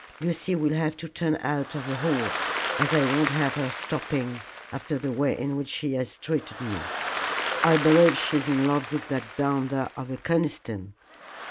Lucy will have to turn out of the Hall, as I won't have her stopping, after the way in which she has treated me. I believe she is in love with that bounder of a Conniston.